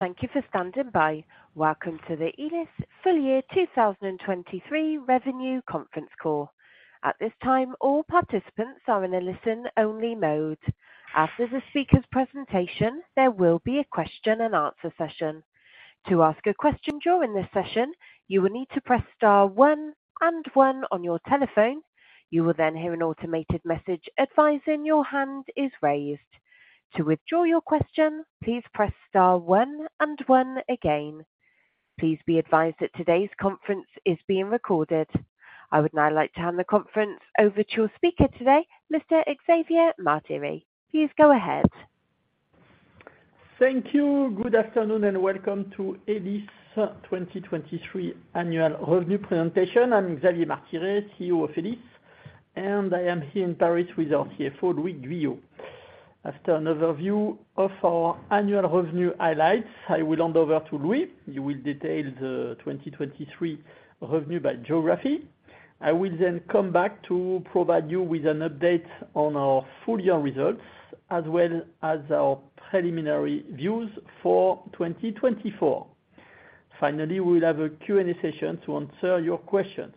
Thank you for standing by. Welcome to the Elis Full Year 2023 Revenue Conference Call. At this time, all participants are in a listen-only mode. After the speaker's presentation, there will be a question and answer session. To ask a question during this session, you will need to press star one and one on your telephone. You will then hear an automated message advising your hand is raised. To withdraw your question, please press star one and one again. Please be advised that today's conference is being recorded. I would now like to hand the conference over to your speaker today, Mr. Xavier Martiré. Please go ahead. Thank you. Good afternoon, and welcome to Elis 2023 Annual Revenue Presentation. I'm Xavier Martiré, CEO of Elis, and I am here in Paris with our CFO, Louis Guyot. After an overview of our annual revenue highlights, I will hand over to Louis, who will detail the 2023 revenue by geography. I will then come back to provide you with an update on our full year results, as well as our preliminary views for 2024. Finally, we'll have a Q&A session to answer your questions.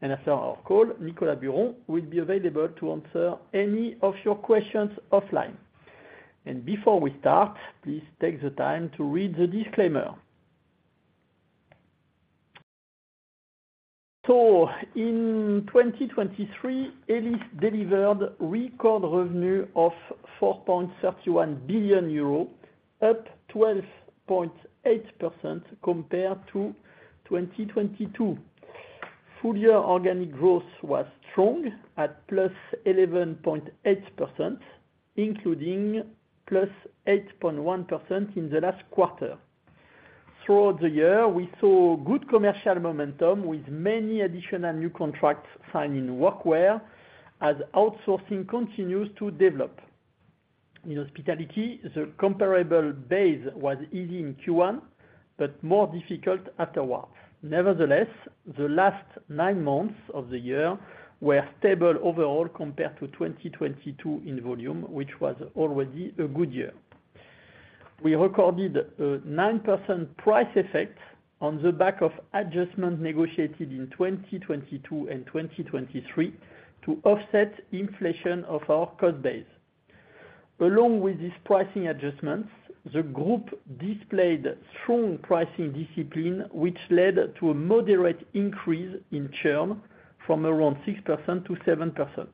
And after our call, Nicolas Buron will be available to answer any of your questions offline. And before we start, please take the time to read the disclaimer. So in 2023, Elis delivered record revenue of 4.31 billion euro, up 12.8% compared to 2022. Full year organic growth was strong at +11.8%, including +8.1% in the last quarter. Throughout the year, we saw good commercial momentum, with many additional new contracts signed in workwear as outsourcing continues to develop. In hospitality, the comparable base was easy in Q1, but more difficult afterwards. Nevertheless, the last nine months of the year were stable overall compared to 2022 in volume, which was already a good year. We recorded a 9% price effect on the back of adjustment negotiated in 2022 and 2023 to offset inflation of our cost base. Along with these pricing adjustments, the group displayed strong pricing discipline, which led to a moderate increase in churn from around 6%-7%.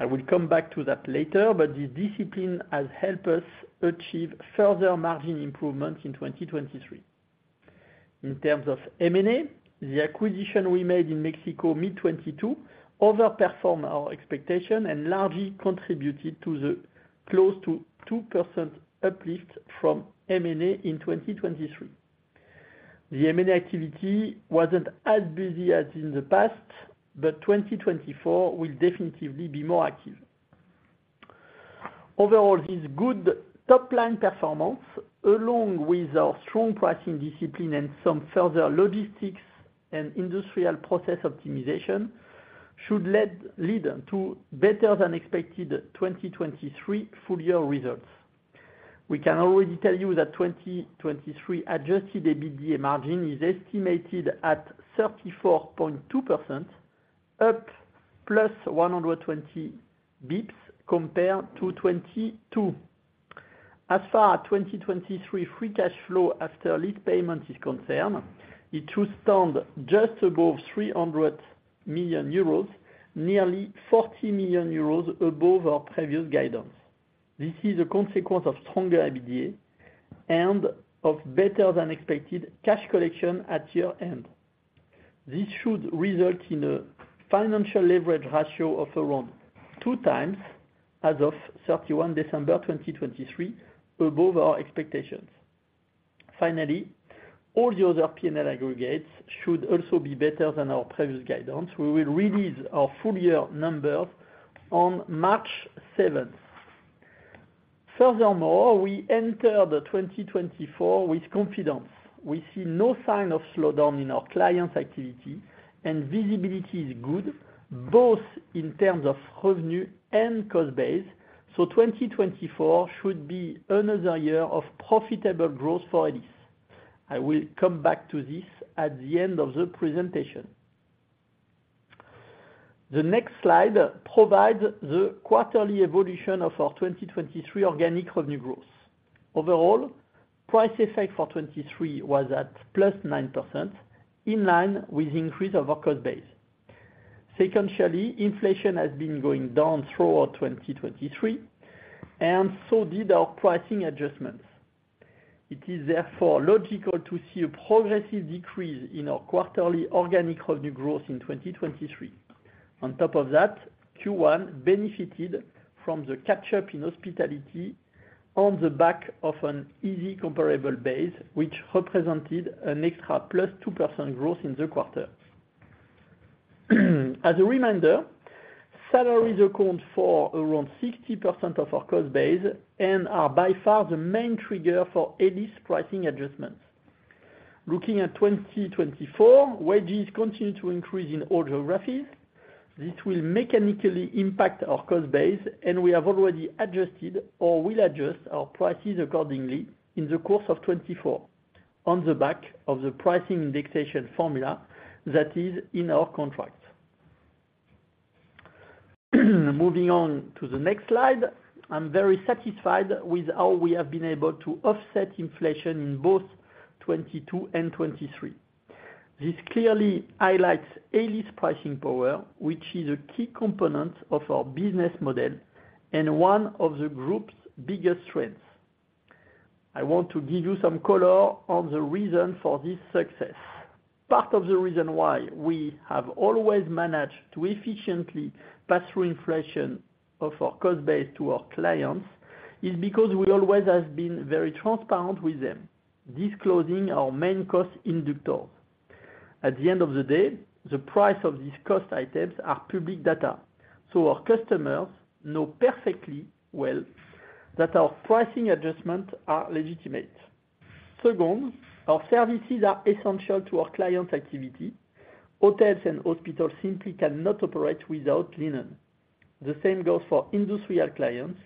I will come back to that later, but this discipline has helped us achieve further margin improvement in 2023. In terms of M&A, the acquisition we made in Mexico, mid-2022, overperformed our expectation and largely contributed to the close to 2% uplift from M&A in 2023. The M&A activity wasn't as busy as in the past, but 2024 will definitely be more active. Overall, this good top-line performance, along with our strong pricing discipline and some further logistics and industrial process optimization, should led, lead to better than expected 2023 full year results. We can already tell you that 2023 Adjusted EBITDA margin is estimated at 34.2%, up +120 bps compared to 2022. As for our 2023 free cash flow after lease payment is concerned, it should stand just above 300 million euros, nearly 40 million euros above our previous guidance. This is a consequence of stronger EBITDA and of better than expected cash collection at year-end. This should result in a financial leverage ratio of around 2x as of December 31st, 2023, above our expectations. Finally, all the other P&L aggregates should also be better than our previous guidance. We will release our full year numbers on March 7th. Furthermore, we enter the 2024 with confidence. We see no sign of slowdown in our clients' activity, and visibility is good, both in terms of revenue and cost base, so 2024 should be another year of profitable growth for Elis. I will come back to this at the end of the presentation. The next slide provides the quarterly evolution of our 2023 organic revenue growth. Overall, price effect for 2023 was at +9%, in line with increase of our cost base. Secondly, inflation has been going down throughout 2023, and so did our pricing adjustments. It is therefore logical to see a progressive decrease in our quarterly organic revenue growth in 2023. On top of that, Q1 benefited from the catch-up in hospitality on the back of an easy comparable base, which represented an extra +2% growth in the quarter. As a reminder, salaries account for around 60% of our cost base and are by far the main trigger for Elis pricing adjustments.... Looking at 2024, wages continue to increase in all geographies. This will mechanically impact our cost base, and we have already adjusted or will adjust our prices accordingly in the course of 2024, on the back of the pricing indexation formula that is in our contracts. Moving on to the next slide, I'm very satisfied with how we have been able to offset inflation in both 2022 and 2023. This clearly highlights Elis' pricing power, which is a key component of our business model and one of the group's biggest strengths. I want to give you some color on the reason for this success. Part of the reason why we have always managed to efficiently pass through inflation of our cost base to our clients, is because we always have been very transparent with them, disclosing our main cost inductors. At the end of the day, the price of these cost items are public data, so our customers know perfectly well that our pricing adjustments are legitimate. Second, our services are essential to our clients' activity. Hotels and hospitals simply cannot operate without linen. The same goes for industrial clients.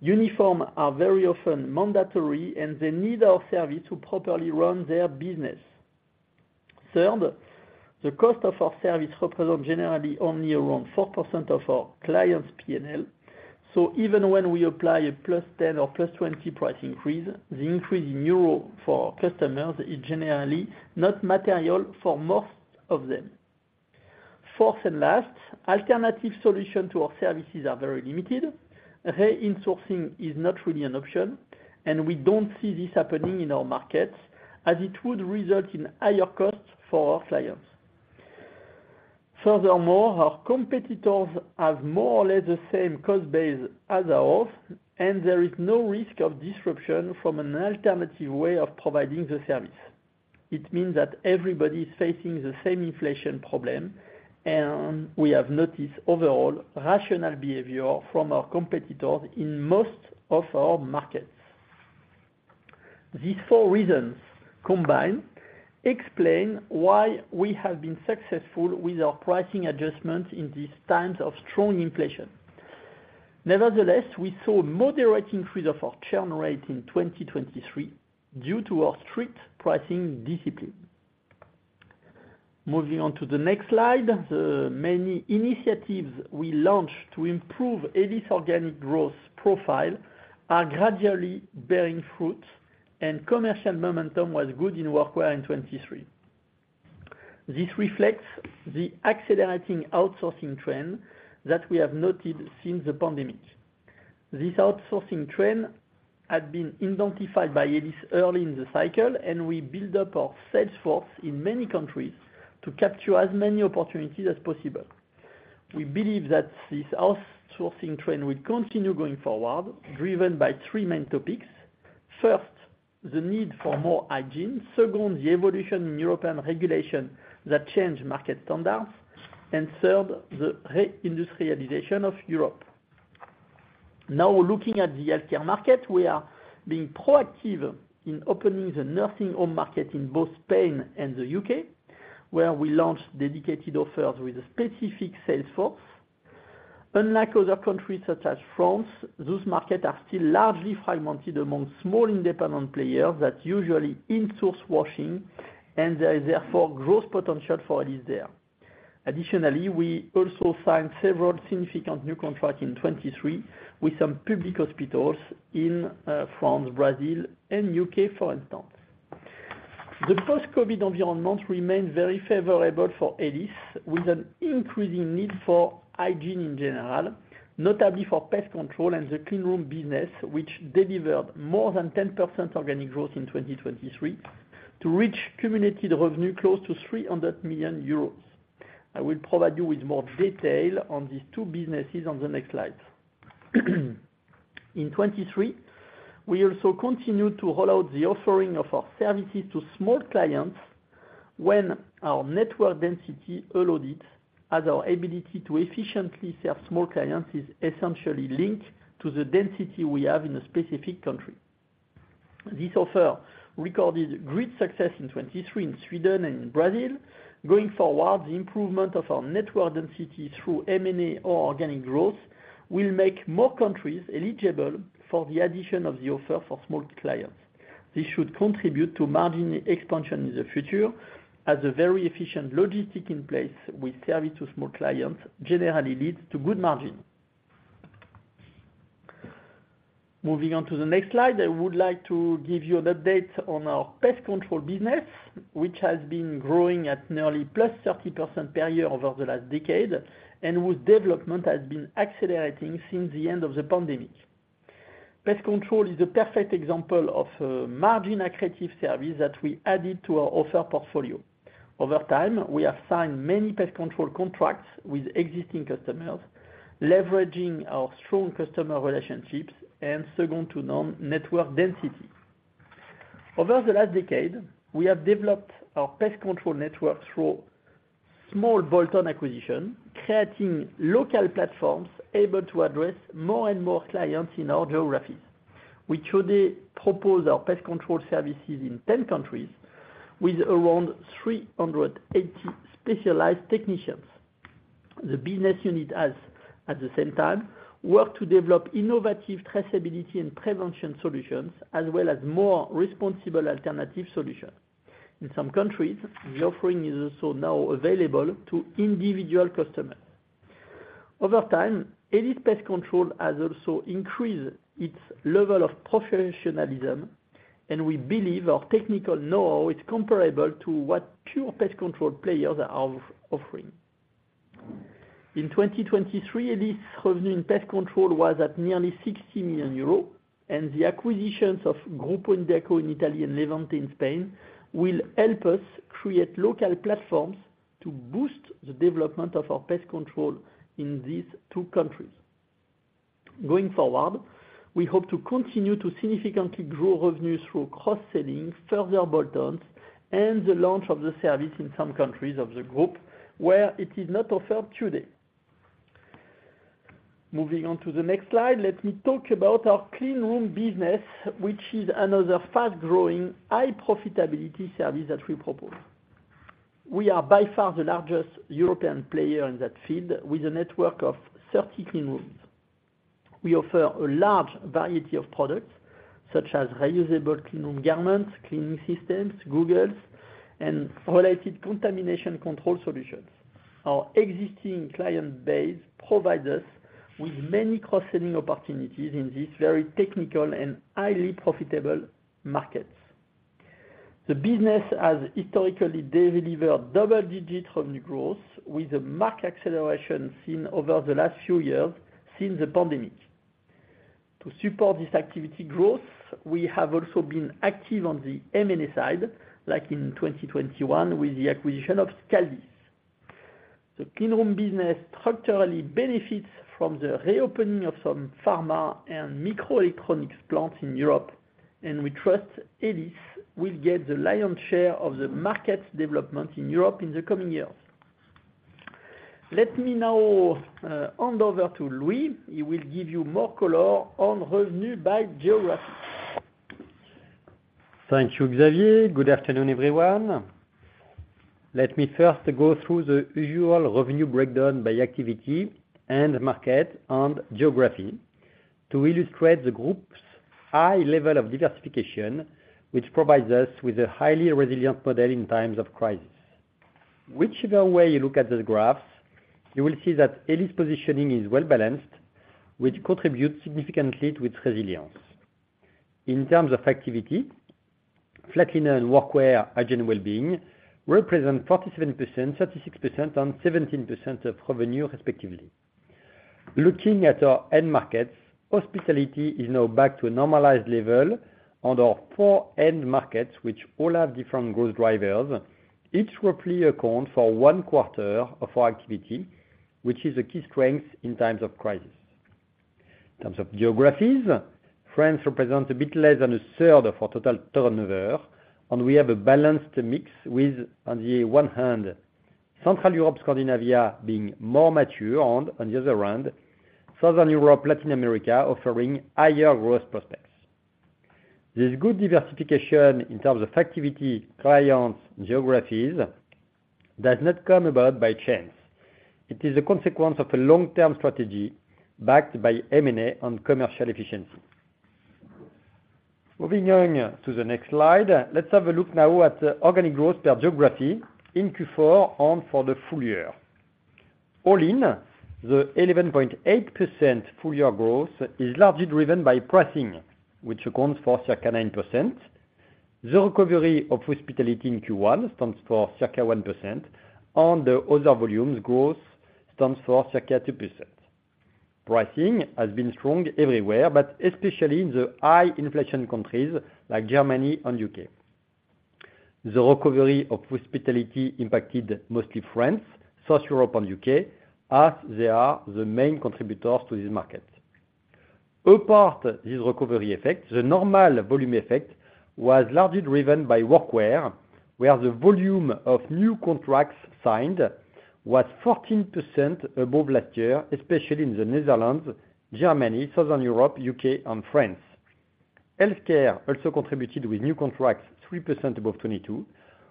Uniforms are very often mandatory, and they need our service to properly run their business. Third, the cost of our service represent generally only around 4% of our clients' P&L. So even when we apply a +10 or +20 price increase, the increase in euros for our customers is generally not material for most of them. Fourth and last, alternative solution to our services are very limited. Re-insourcing is not really an option, and we don't see this happening in our markets, as it would result in higher costs for our clients. Furthermore, our competitors have more or less the same cost base as ours, and there is no risk of disruption from an alternative way of providing the service. It means that everybody is facing the same inflation problem, and we have noticed overall rational behavior from our competitors in most of our markets. These four reasons, combined, explain why we have been successful with our pricing adjustments in these times of strong inflation. Nevertheless, we saw a moderate increase of our churn rate in 2023 due to our strict pricing discipline. Moving on to the next slide, the many initiatives we launched to improve Elis' organic growth profile are gradually bearing fruit, and commercial momentum was good in workwear in 2023. This reflects the accelerating outsourcing trend that we have noted since the pandemic. This outsourcing trend had been identified by Elis early in the cycle, and we build up our sales force in many countries to capture as many opportunities as possible. We believe that this outsourcing trend will continue going forward, driven by three main topics. First, the need for more hygiene. Second, the evolution in European regulation that change market standards. And third, the re-industrialization of Europe. Now, looking at the healthcare market, we are being proactive in opening the nursing home market in both Spain and the U.K., where we launched dedicated offers with a specific sales force. Unlike other countries, such as France, those markets are still largely fragmented among small, independent players that usually in-source washing, and there is therefore growth potential for Elis there. Additionally, we also signed several significant new contracts in 2023 with some public hospitals in, France, Brazil, and U.K., for instance. The post-COVID environment remains very favorable for Elis, with an increasing need for hygiene in general, notably for pest control and the cleanroom business, which delivered more than 10% organic growth in 2023, to reach cumulative revenue close to 300 million euros. I will provide you with more detail on these two businesses on the next slide. In 2023, we also continued to roll out the offering of our services to small clients when our network density allowed it, as our ability to efficiently serve small clients is essentially linked to the density we have in a specific country. This offer recorded great success in 2023 in Sweden and in Brazil. Going forward, the improvement of our network density through M&A or organic growth will make more countries eligible for the addition of the offer for small clients. This should contribute to margin expansion in the future, as a very efficient logistics in place with service to small clients generally leads to good margin. Moving on to the next slide, I would like to give you an update on our pest control business, which has been growing at nearly +30% per year over the last decade, and whose development has been accelerating since the end of the pandemic. Pest control is a perfect example of a margin accretive service that we added to our offer portfolio. Over time, we have signed many pest control contracts with existing customers, leveraging our strong customer relationships and second to none network density. Over the last decade, we have developed our pest control network through small bolt-on acquisition, creating local platforms able to address more and more clients in our geographies. We today propose our pest control services in 10 countries, with around 380 specialized technicians. The business unit has, at the same time, worked to develop innovative traceability and prevention solutions, as well as more responsible alternative solutions. In some countries, the offering is also now available to individual customers. Over time, Elis Pest Control has also increased its level of professionalism, and we believe our technical know-how is comparable to what pure pest control players are offering. In 2023, Elis' revenue in pest control was at nearly 60 million euros, and the acquisitions of Gruppo Indeco in Italy and Levante in Spain will help us create local platforms to boost the development of our pest control in these two countries. Going forward, we hope to continue to significantly grow revenue through cross-selling, further bolt-ons, and the launch of the service in some countries of the group, where it is not offered today. Moving on to the next slide, let me talk about our clean room business, which is another fast-growing, high profitability service that we propose. We are by far the largest European player in that field, with a network of 30 clean rooms. We offer a large variety of products, such as reusable clean room garments, cleaning systems, goggles, and related contamination control solutions. Our existing client base provides us with many cross-selling opportunities in these very technical and highly profitable markets. The business has historically delivered double-digit revenue growth, with a marked acceleration seen over the last few years since the pandemic. To support this activity growth, we have also been active on the M&A side, like in 2021, with the acquisition of Scaldis. The clean room business structurally benefits from the reopening of some pharma and microelectronics plants in Europe, and we trust Elis will get the lion's share of the market development in Europe in the coming years. Let me now hand over to Louis. He will give you more color on revenue by geography. Thank you, Xavier. Good afternoon, everyone. Let me first go through the usual revenue breakdown by activity and market and geography, to illustrate the group's high level of diversification, which provides us with a highly resilient model in times of crisis. Whichever way you look at the graphs, you will see that Elis' positioning is well-balanced, which contributes significantly to its resilience. In terms of activity, flat linen and workwear, hygiene and well-being, represent 47%, 36%, and 17% of revenue, respectively. Looking at our end markets, hospitality is now back to a normalized level, and our four end markets, which all have different growth drivers, each roughly account for one quarter of our activity, which is a key strength in times of crisis. In terms of geographies, France represents a bit less than a third of our total turnover, and we have a balanced mix with, on the one hand, Central Europe, Scandinavia being more mature, and on the other hand, Southern Europe, Latin America, offering higher growth prospects. This good diversification in terms of activity, clients, geographies, does not come about by chance. It is a consequence of a long-term strategy backed by M&A and commercial efficiency. Moving on to the next slide, let's have a look now at the organic growth per geography in Q4 and for the full year. All in, the 11.8% full year growth is largely driven by pricing, which accounts for circa 9%. The recovery of hospitality in Q1 stands for circa 1%, and the other volumes growth stands for circa 2%. Pricing has been strong everywhere, but especially in the high inflation countries, like Germany and U.K.. The recovery of hospitality impacted mostly France, Southern Europe and U.K., as they are the main contributors to this market. Apart this recovery effect, the normal volume effect was largely driven by workwear, where the volume of new contracts signed was 14% above last year, especially in the Netherlands, Germany, Southern Europe, U.K. and France. Healthcare also contributed with new contracts, 3% above 2022,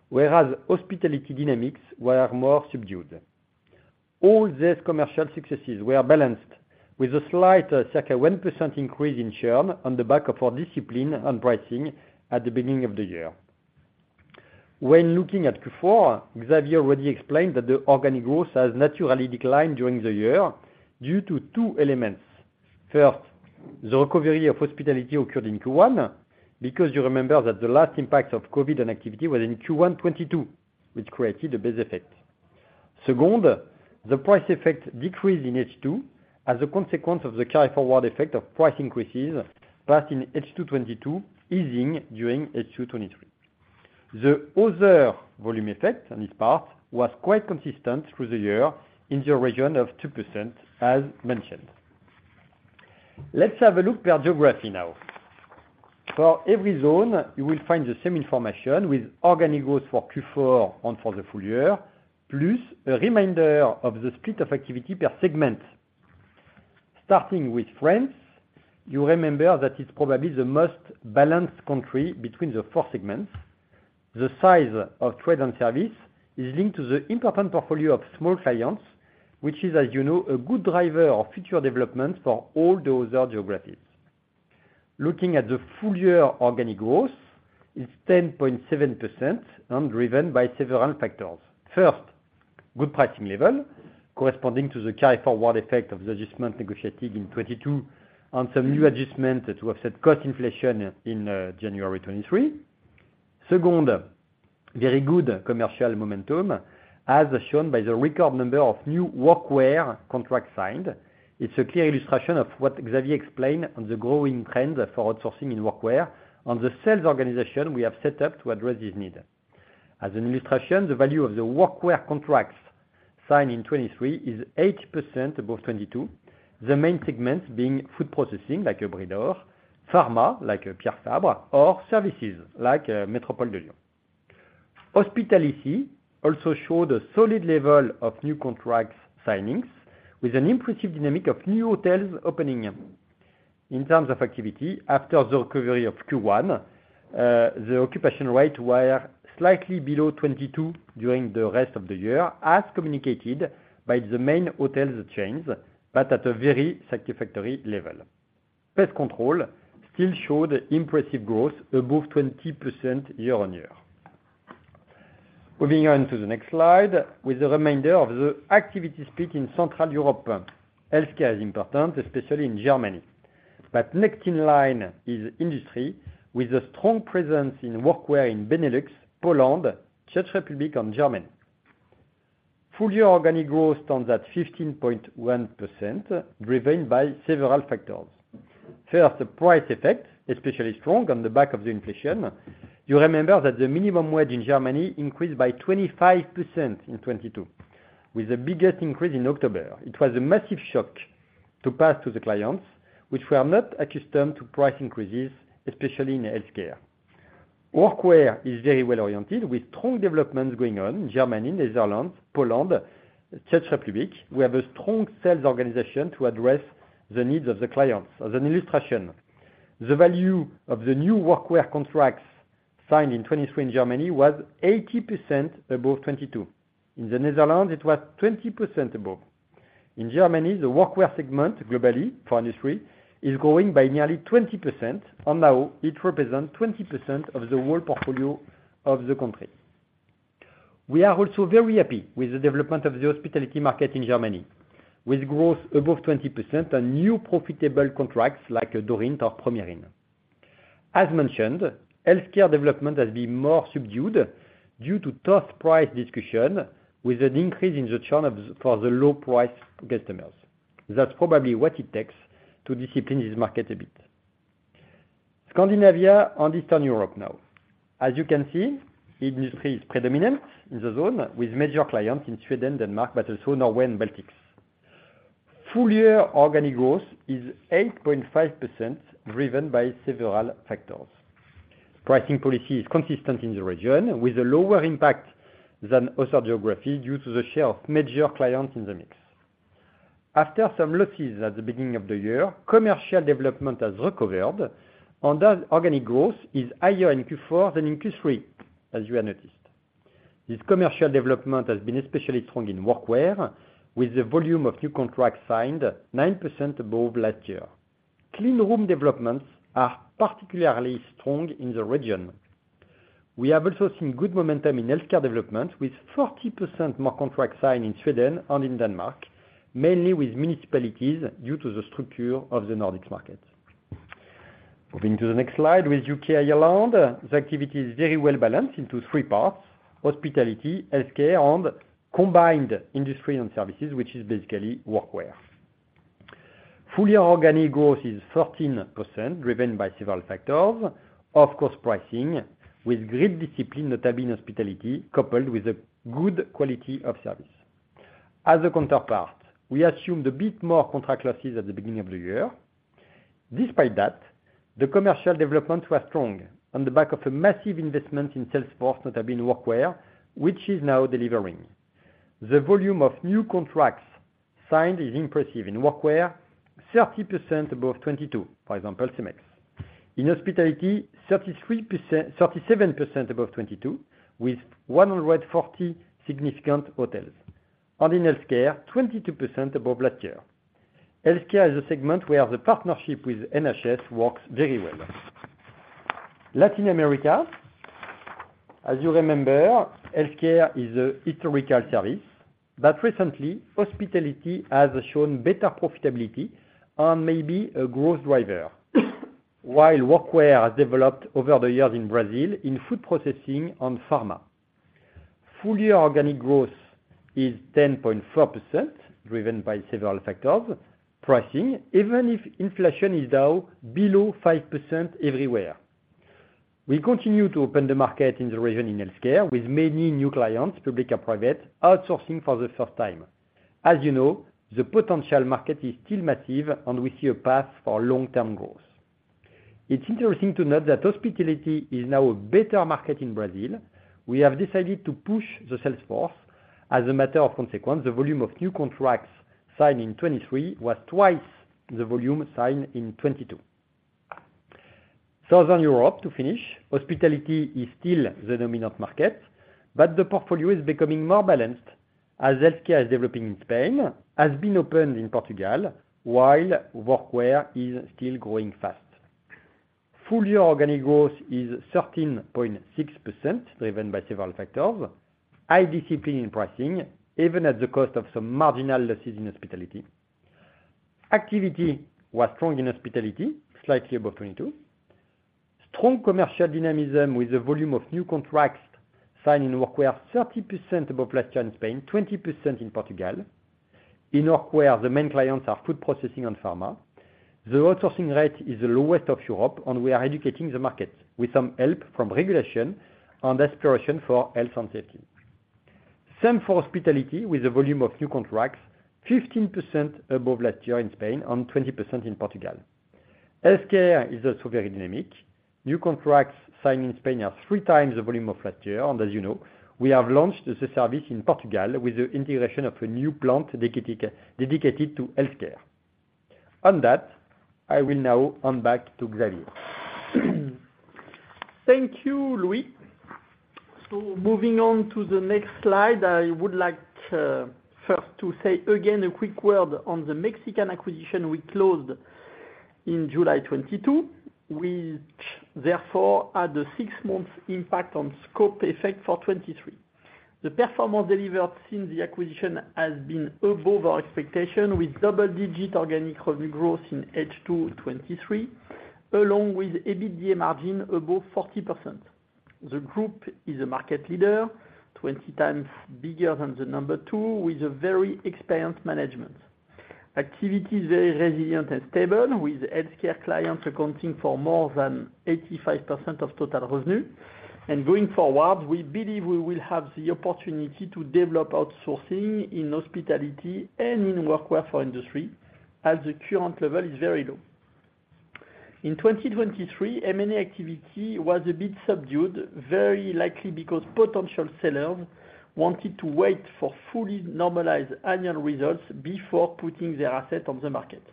whereas hospitality dynamics were more subdued. All these commercial successes were balanced with a slight, circa 1% increase in churn on the back of our discipline and pricing at the beginning of the year. When looking at Q4, Xavier already explained that the organic growth has naturally declined during the year due to two elements. First, the recovery of hospitality occurred in Q1, because you remember that the last impact of Covid and activity was in Q1 2022, which created a base effect. Second, the price effect decreased in H2 as a consequence of the carry-forward effect of price increases, passed in H2 2022, easing during H2 2023. The other volume effect, on this part, was quite consistent through the year in the region of 2%, as mentioned.... Let's have a look per geography now. For every zone, you will find the same information with organic growth for Q4 and for the full year, plus a reminder of the split of activity per segment. Starting with France, you remember that it's probably the most balanced country between the four segments. The size of trade and service is linked to the important portfolio of small clients, which is, as you know, a good driver of future development for all those other geographies. Looking at the full year organic growth, it's 10.7% and driven by several factors. First, good pricing level, corresponding to the carry-forward effect of the adjustment negotiated in 2022 on some new adjustment to offset cost inflation in January 2023. Second, very good commercial momentum, as shown by the record number of new workwear contracts signed. It's a clear illustration of what Xavier explained on the growing trend for outsourcing in workwear, on the sales organization we have set up to address this need. As an illustration, the value of the workwear contracts signed in 2023 is 80% above 2022. The main segments being food processing, like Bridor, pharma, like Pierre Fabre, or services, like Métropole de Lyon. Hospitality also showed a solid level of new contracts signings, with an impressive dynamic of new hotels opening. In terms of activity, after the recovery of Q1, the occupation rate were slightly below 2022 during the rest of the year, as communicated by the main hotels chains, but at a very satisfactory level. Pest control still showed impressive growth, above 20% year-on-year. Moving on to the next slide, with a reminder of the activity split in Central Europe. Healthcare is important, especially in Germany, but next in line is industry, with a strong presence in workwear in Benelux, Poland, Czech Republic and Germany. Full year organic growth stands at 15.1%, driven by several factors. First, the price effect, especially strong on the back of the inflation. You remember that the minimum wage in Germany increased by 25% in 2022, with the biggest increase in October. It was a massive shock to pass to the clients, which were not accustomed to price increases, especially in healthcare. Workwear is very well-oriented, with strong developments going on in Germany, Netherlands, Poland, Czech Republic. We have a strong sales organization to address the needs of the clients. As an illustration, the value of the new workwear contracts signed in 2023 in Germany was 80% above 2022. In the Netherlands, it was 20% above. In Germany, the workwear segment, globally for industry, is growing by nearly 20%, and now it represents 20% of the whole portfolio of the country. We are also very happy with the development of the hospitality market in Germany, with growth above 20% and new profitable contracts like Dorint or Premier Inn. As mentioned, healthcare development has been more subdued due to tough price discussion, with an increase in the churn for the low price customers. That's probably what it takes to discipline this market a bit. Scandinavia and Eastern Europe now. As you can see, industry is predominant in the zone, with major clients in Sweden, Denmark, but also Norway and Baltics. Full year organic growth is 8.5%, driven by several factors. Pricing policy is consistent in the region, with a lower impact than other geographies due to the share of major clients in the mix. After some losses at the beginning of the year, commercial development has recovered, and the organic growth is higher in Q4 than in Q3, as you have noticed. This commercial development has been especially strong in workwear, with the volume of new contracts signed 9% above last year. Clean room developments are particularly strong in the region. We have also seen good momentum in healthcare development, with 40% more contracts signed in Sweden and in Denmark, mainly with municipalities, due to the structure of the Nordics market. Moving to the next slide, with U.K., Ireland, the activity is very well balanced into three parts: hospitality, healthcare, and combined industry and services, which is basically workwear. Full year organic growth is 13%, driven by several factors, of course, pricing, with great discipline, notably in hospitality, coupled with a good quality of service. As a counterpart, we assumed a bit more contract losses at the beginning of the year. Despite that, the commercial development was strong on the back of a massive investment in Salesforce, notably in workwear, which is now delivering. The volume of new contracts signed is impressive in workwear, 30% above 2022, for example, Cemex. In hospitality, 33%-37% above 2022, with 140 significant hotels. In healthcare, 22% above last year. Healthcare is a segment where the partnership with NHS works very well. Latin America, as you remember, healthcare is a historical service, but recently, hospitality has shown better profitability and may be a growth driver, while workwear has developed over the years in Brazil, in food processing and pharma. Full year organic growth is 10.4%, driven by several factors. Pricing, even if inflation is now below 5% everywhere. We continue to open the market in the region in healthcare, with many new clients, public or private, outsourcing for the first time. As you know, the potential market is still massive, and we see a path for long-term growth. It's interesting to note that hospitality is now a better market in Brazil. We have decided to push the sales force. As a matter of consequence, the volume of new contracts signed in 2023 was twice the volume signed in 2022. Southern Europe, to finish, hospitality is still the dominant market, but the portfolio is becoming more balanced as healthcare is developing in Spain, has been opened in Portugal, while workwear is still growing fast. Full year organic growth is 13.6%, driven by several factors, high discipline in pricing, even at the cost of some marginal losses in hospitality. Activity was strong in hospitality, slightly above 22. Strong commercial dynamism with the volume of new contracts signed in workwear, 30% above last year in Spain, 20% in Portugal. In workwear, the main clients are food processing and pharma. The outsourcing rate is the lowest of Europe, and we are educating the market with some help from regulation and aspiration for health and safety. Same for hospitality, with the volume of new contracts 15% above last year in Spain and 20% in Portugal. Healthcare is also very dynamic. New contracts signed in Spain are three times the volume of last year, and as you know, we have launched the service in Portugal with the integration of a new plant dedicated, dedicated to healthcare. On that, I will now hand back to Xavier. Thank you, Louis. So moving on to the next slide, I would like, first to say again, a quick word on the Mexican acquisition we closed in July 2022, which therefore had a six month impact on scope effect for 2023. The performance delivered since the acquisition has been above our expectation, with double-digit organic revenue growth in H2 2023, along with EBITDA margin above 40%. The group is a market leader, 20 times bigger than the number two, with a very experienced management. Activity is very resilient and stable, with healthcare clients accounting for more than 85% of total revenue. Going forward, we believe we will have the opportunity to develop outsourcing in hospitality and in workwear for industry, as the current level is very low. In 2023, M&A activity was a bit subdued, very likely because potential sellers wanted to wait for fully normalized annual results before putting their asset on the market.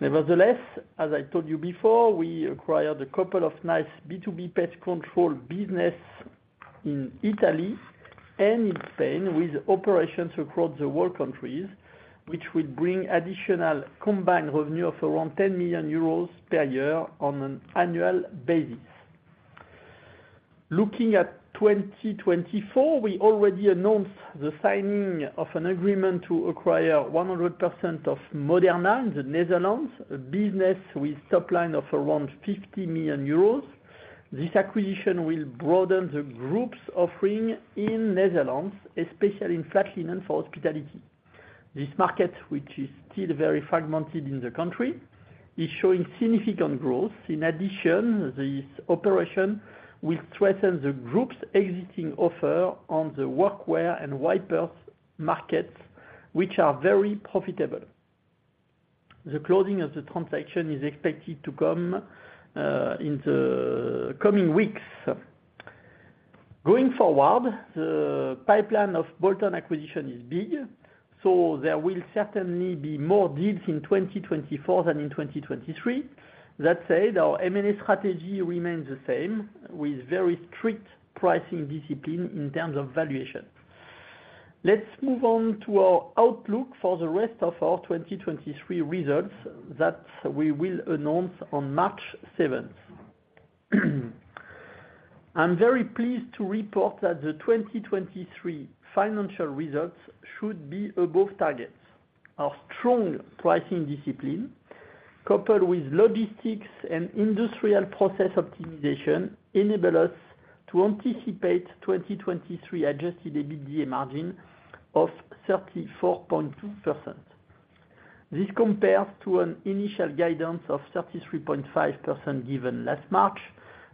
Nevertheless, as I told you before, we acquired a couple of nice B2B pest control business in Italy and in Spain, with operations across the world countries, which will bring additional combined revenue of around 10 million euros per year on an annual basis. Looking at 2024, we already announced the signing of an agreement to acquire 100% of Moderna in the Netherlands, a business with top line of around 50 million euros. This acquisition will broaden the group's offering in Netherlands, especially in flat linen for hospitality. This market, which is still very fragmented in the country, is showing significant growth. In addition, this operation will strengthen the group's existing offer on the workwear and wipers markets, which are very profitable. The closing of the transaction is expected to come in the coming weeks. Going forward, the pipeline of bolt-on acquisitions is big, so there will certainly be more deals in 2024 than in 2023. That said, our M&A strategy remains the same, with very strict pricing discipline in terms of valuation. Let's move on to our outlook for the rest of our 2023 results that we will announce on March 7th. I'm very pleased to report that the 2023 financial results should be above targets. Our strong pricing discipline, coupled with logistics and industrial process optimization, enable us to anticipate 2023 adjusted EBITDA margin of 34.2%. This compares to an initial guidance of 33.5% given last March,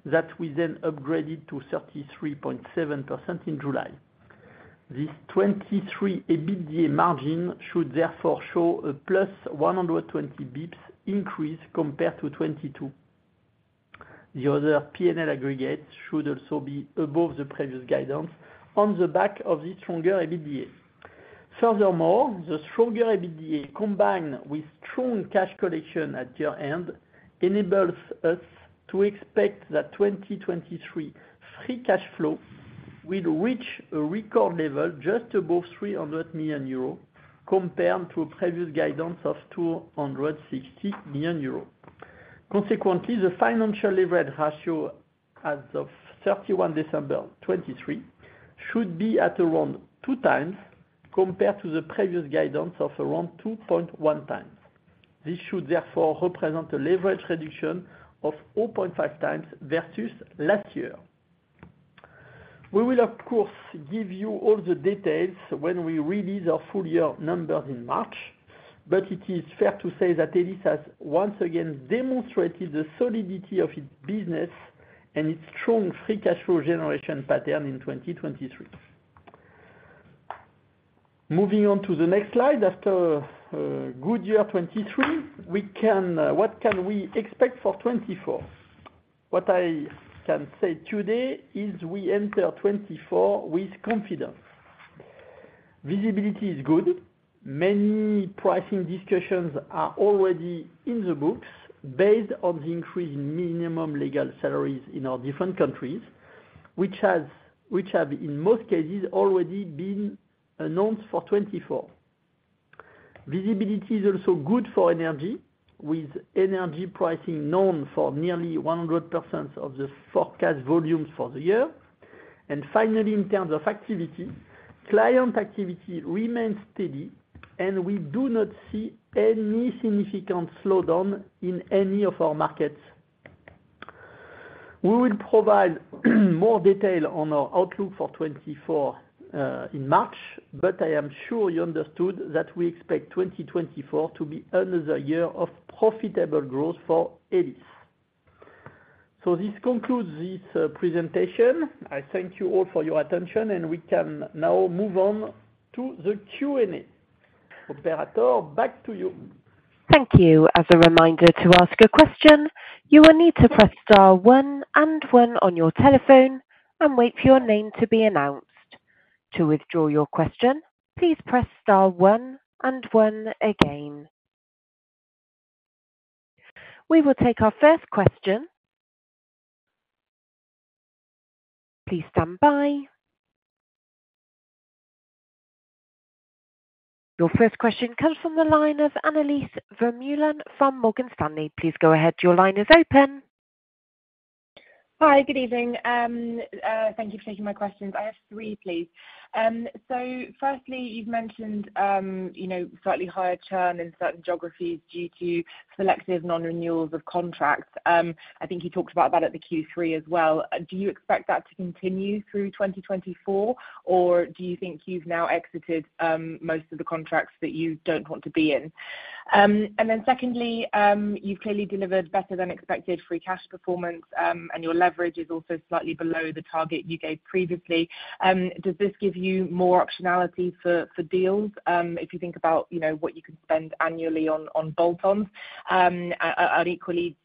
that we then upgraded to 33.7% in July. This 2023 EBITDA margin should therefore show a +120 bps increase compared to 2022. The other P&L aggregates should also be above the previous guidance on the back of the stronger EBITDA. Furthermore, the stronger EBITDA, combined with strong cash collection at year-end, enables us to expect that 2023 free cash flow will reach a record level just above 300 million euros, compared to a previous guidance of 260 million euros. Consequently, the financial leverage ratio as of December 31st, 2023 should be at around 2x compared to the previous guidance of around 2.1x. This should therefore represent a leverage reduction of 0.5x versus last year. We will, of course, give you all the details when we release our full year numbers in March, but it is fair to say that Elis has once again demonstrated the solidity of its business and its strong free cash flow generation pattern in 2023. Moving on to the next slide, after good year 2023, we can, what can we expect for 2024? What I can say today is we enter 2024 with confidence. Visibility is good. Many pricing discussions are already in the books based on the increase in minimum legal salaries in our different countries, which has, which have, in most cases, already been announced for 2024. Visibility is also good for energy, with energy pricing known for nearly 100% of the forecast volumes for the year. And finally, in terms of activity, client activity remains steady, and we do not see any significant slowdown in any of our markets. We will provide more detail on our outlook for 2024 in March, but I am sure you understood that we expect 2024 to be another year of profitable growth for Elis. So this concludes this presentation. I thank you all for your attention, and we can now move on to the Q&A. Operator, back to you. Thank you. As a reminder, to ask a question, you will need to press star one and one on your telephone and wait for your name to be announced. To withdraw your question, please press star one and one again. We will take our first question. Please stand by. Your first question comes from the line of Annelies Vermeulen from Morgan Stanley. Please go ahead. Your line is open. Hi, good evening. Thank you for taking my questions. I have three, please. So firstly, you've mentioned, you know, slightly higher churn in certain geographies due to selective non-renewals of contracts. I think you talked about that at the Q3 as well. Do you expect that to continue through 2024, or do you think you've now exited most of the contracts that you don't want to be in? And and then secondly, you've clearly delivered better than expected free cash performance, and your leverage is also slightly below the target you gave previously. And does this give you more optionality for deals, if you think about, you know, what you could spend annually on bolt-ons? And equally,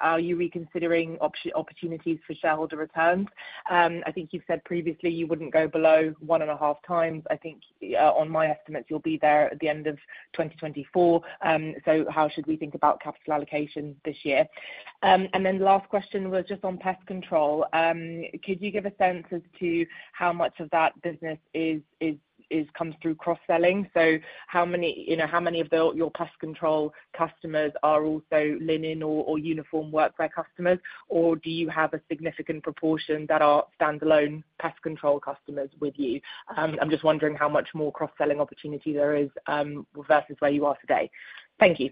are you reconsidering opportunities for shareholder returns? And I think you've said previously you wouldn't go below 1.5 times. I think, on my estimates, you'll be there at the end of 2024. So how should we think about capital allocation this year? And then the last question was just on pest control. Could you give a sense as to how much of that business is is comes through cross-selling? So how many, you know, how many of the, your pest control customers are also linen or uniform workwear customers, or do you have a significant proportion that are standalone pest control customers with you? I'm just wondering how much more cross-selling opportunity there is versus where you are today. Thank you.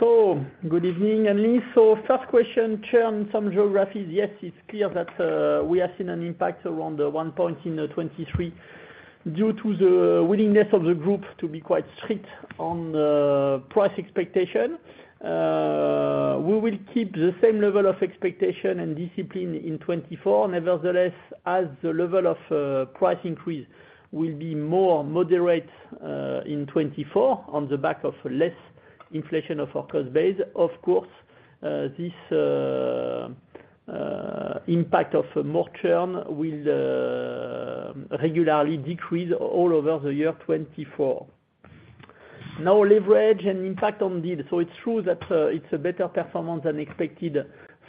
So good evening, Anneliese. So first question, churn some geographies. Yes, it's clear that we have seen an impact around the one point in 2023 due to the willingness of the group to be quite strict on price expectation. We will keep the same level of expectation and discipline in 2024. Nevertheless, as the level of price increase will be more moderate in 2024 on the back of less inflation of our cost base. Of course, this impact of more churn will regularly decrease all over the year 2024. Now, leverage and impact on deals. It's true that it's a better performance than expected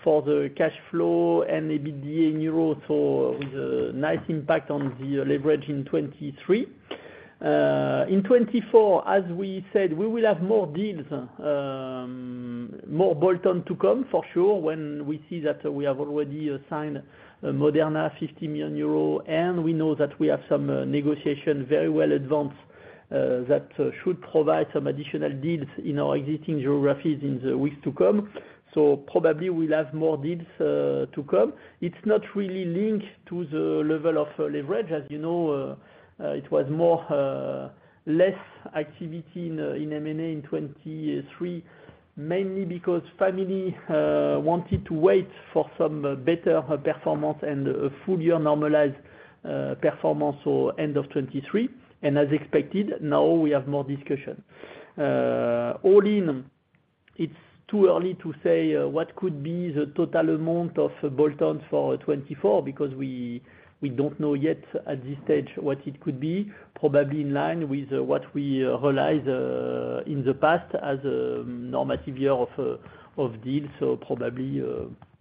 for the cash flow and EBITDA in euro, so with a nice impact on the leverage in 2023. In 2024, as we said, we will have more deals, more bolt-on to come, for sure, when we see that we have already signed Moderna, 50 million euro, and we know that we have some negotiations very well advanced that should provide some additional deals in our existing geographies in the weeks to come. So probably we'll have more deals to come. It's not really linked to the level of leverage. As you know, it was more or less activity in M&A in 2023, mainly because family wanted to wait for some better performance and a full year normalized performance or end of 2023. And as expected, now we have more discussion. All in, it's too early to say what could be the total amount of bolt-ons for 2024, because we, we don't know yet at this stage what it could be. Probably in line with what we realize in the past as a normative year of deals, so probably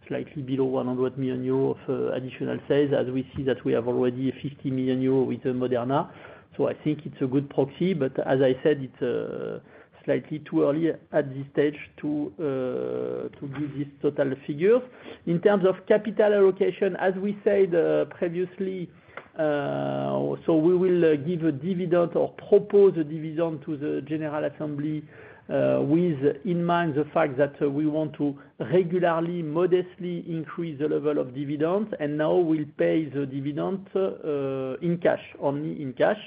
slightly below 100 million euros of additional sales, as we see that we have already 50 million euros with Moderna. So I think it's a good proxy, but as I said, it's slightly too early at this stage to to give this total figure. In terms of capital allocation, as we said previously... ...So we will give a dividend or propose a dividend to the general assembly, with in mind the fact that we want to regularly, modestly increase the level of dividend, and now we'll pay the dividend, in cash, only in cash.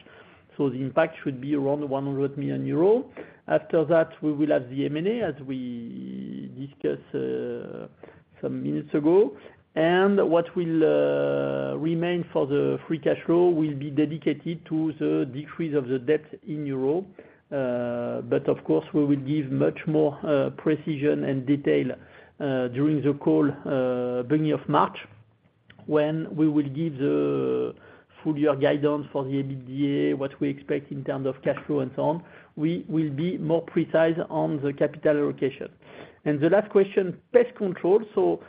So the impact should be around 100 million euro. After that, we will have the M&A, as we discussed, some minutes ago. And what will remain for the free cash flow will be dedicated to the decrease of the debt in Europe. But of course, we will give much more precision and detail, during the call, beginning of March, when we will give the full year guidance for the EBITDA, what we expect in terms of cash flow and so on, we will be more precise on the capital allocation. And the last question, pest control. So,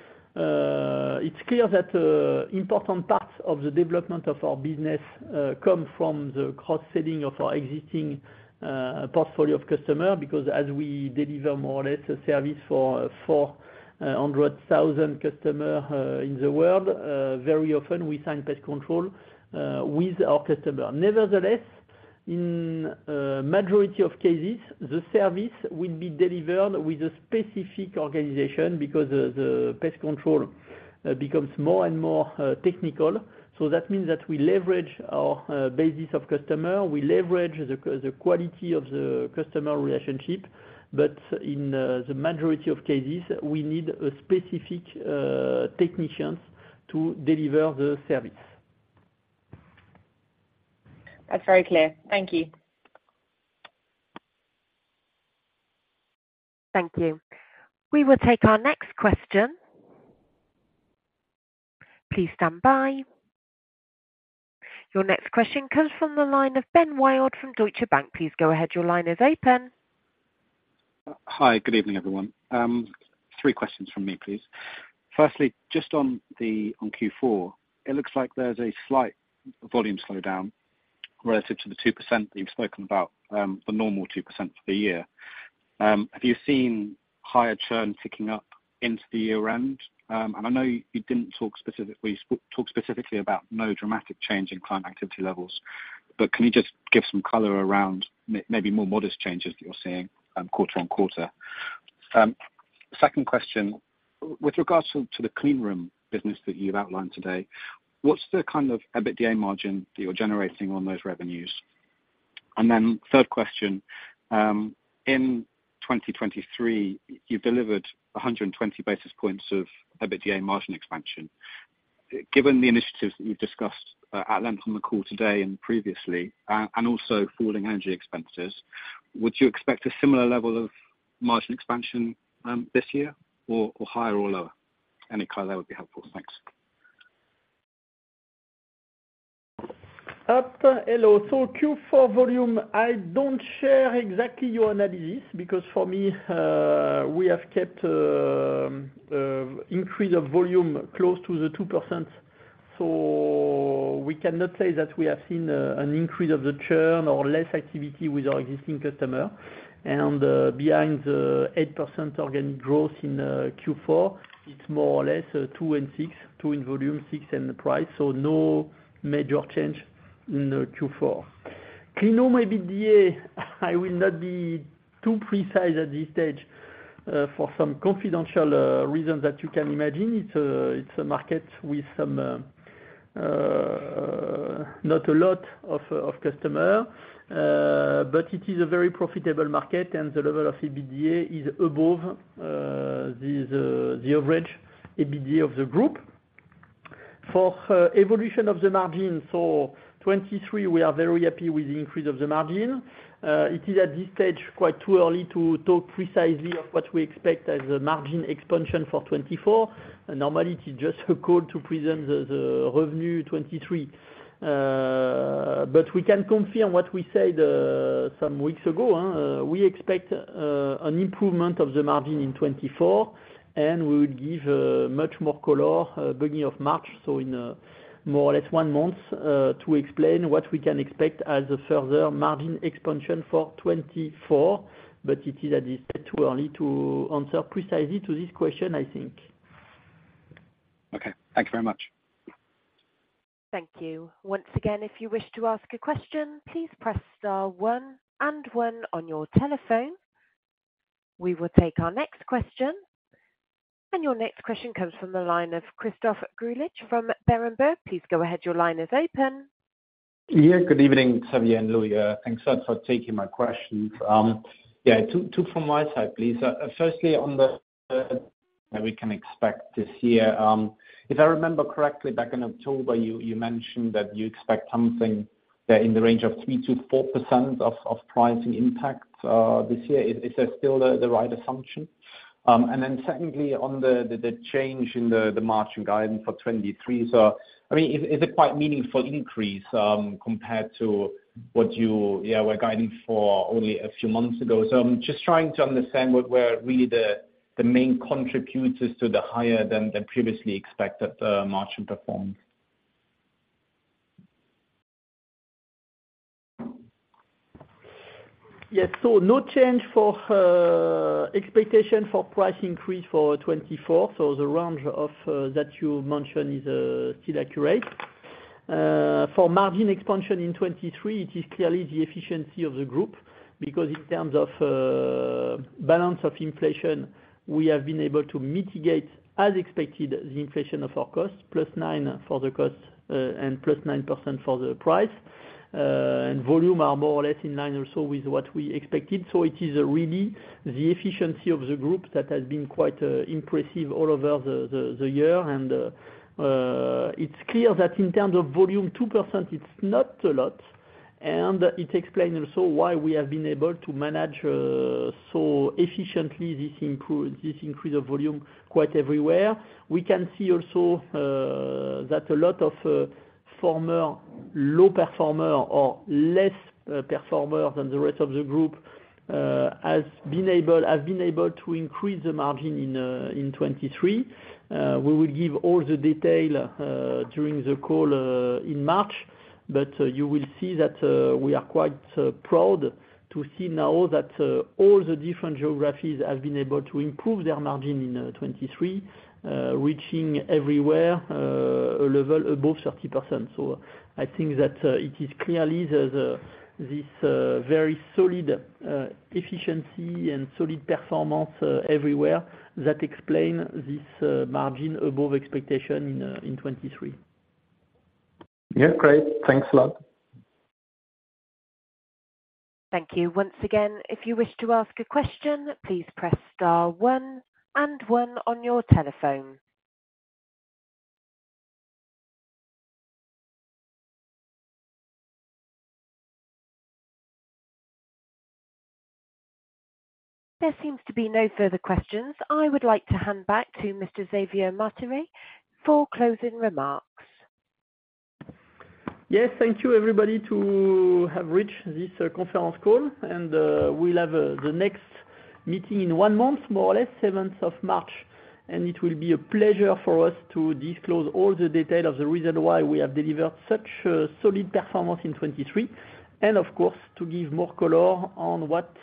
it's clear that important parts of the development of our business come from the cross-selling of our existing portfolio of customer, because as we deliver more or less a service for for 400,000 customer in the world, very often we sign pest control with our customer. Nevertheless, in majority of cases, the service will be delivered with a specific organization because the pest control becomes more and more technical. So that means that we leverage our bases of customer, we leverage the quality of the customer relationship, but in the majority of cases, we need a specific technicians to deliver the service. That's very clear. Thank you. Thank you. We will take our next question. Please stand by. Your next question comes from the line of Ben Wild from Deutsche Bank. Please go ahead. Your line is open. Hi, good evening, everyone. Three questions from me, please. Firstly, just on the, on Q4, it looks like there's a slight volume slowdown relative to the 2% that you've spoken about, the normal 2% for the year. Have you seen higher churn ticking up into the year end? And I know you, you didn't talk specifically, talk specifically about no dramatic change in client activity levels, but can you just give some color around maybe more modest changes that you're seeing, quarter-on-quarter? Second question, with regards to, to the clean room business that you've outlined today, what's the kind of EBITDA margin that you're generating on those revenues? And then third question, in 2023, you delivered 120 basis points of EBITDA margin expansion. Given the initiatives that you've discussed at length on the call today and previously, and also falling energy expenses, would you expect a similar level of margin expansion this year, or, or higher or lower? Any color that would be helpful. Thanks. Hello. So Q4 volume, I don't share exactly your analysis because for me, we have kept increase of volume close to 2%. So we cannot say that we have seen an increase of the churn or less activity with our existing customer. And behind the 8% organic growth in Q4, it's more or less 2% and 6%. 2% in volume, 6% in the price, so no major change in the Q4. Cleanroom EBITDA, I will not be too precise at this stage for some confidential reasons that you can imagine. It's a market with some not a lot of customer but it is a very profitable market, and the level of EBITDA is above the average EBITDA of the group. For, evolution of the margin, so 2023, we are very happy with the increase of the margin. It is at this stage, quite too early to talk precisely of what we expect as a margin expansion for 2024. Normally, it is just a call to present the revenue 2023. But we can confirm what we said, some weeks ago, we expect, an improvement of the margin in 2024, and we would give, much more color, beginning of March, so in, more or less one month, to explain what we can expect as a further margin expansion for 2024. But it is at this stage, too early to answer precisely to this question, I think. Okay. Thank you very much. Thank you. Once again, if you wish to ask a question, please press star one and one on your telephone. We will take our next question. And your next question comes from the line of Christoph Greulich from Berenberg. Please go ahead. Your line is open. Yeah, good evening, Xavier and Louis. Thanks a lot for taking my questions. Yeah, two from my side, please. Firstly, on that we can expect this year, if I remember correctly, back in October, you mentioned that you expect something in the range of 3%-4% pricing impact this year. Is that still the right assumption? And then secondly, on the change in the margin guidance for 2023. So, I mean, is it quite meaningful increase compared to what you were guiding for only a few months ago? So I'm just trying to understand what were really the main contributors to the higher than the previously expected margin performance. Yes, so no change for expectation for price increase for 2024. So the range that you mentioned is still accurate. For margin expansion in 2023, it is clearly the efficiency of the group, because in terms of balance of inflation, we have been able to mitigate, as expected, the inflation of our cost, +9% for the cost, and plus 9% for the price. And volume are more or less in line or so with what we expected. So it is really the efficiency of the group that has been quite impressive all over the year. And it's clear that in terms of volume, 2%, it's not a lot, and it explains also why we have been able to manage so efficiently this increase of volume quite everywhere. We can see also that a lot of former low performer or less performer than the rest of the group have been able, have been able to increase the margin in 2023. We will give all the detail during the call in March, but you will see that we are quite proud to see now that all the different geographies have been able to improve their margin in 2023, reaching everywhere a level above 30%. So I think that's it is clearly there's a this very solid efficiency and solid performance everywhere that explain this margin above expectation in 2023. Yeah. Great. Thanks a lot. Thank you. Once again, if you wish to ask a question, please press star one and one on your telephone. There seems to be no further questions. I would like to hand back to Mr. Xavier Martiré, for closing remarks. Yes, thank you, everybody, to have reached this conference call. And we'll have the next meeting in one month, more or less, March 7th, and it will be a pleasure for us to disclose all the detail of the reason why we have delivered such a solid performance in 2023. And of course, to give more color on what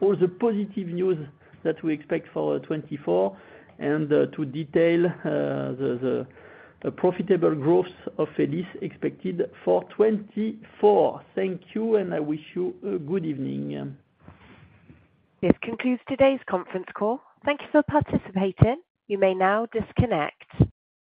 all the positive news that we expect for 2024 and to detail the profitable growth of Elis expected for 2024. Thank you, and I wish you a good evening. This concludes today's conference call. Thank you for participating. You may now disconnect.